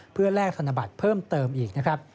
เพื่อแลกธนบัตรเพิ่มเติมอีกนะครับ